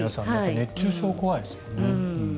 熱中症怖いですよね。